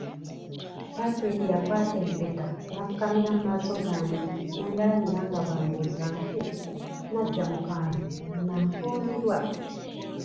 Patrick yakwata empeta n'afukamira mu maaso gange n'andalamira nga bw'ambuuza nti, "Nnajja mukwano, onanfumbirwa?